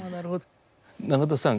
永田さん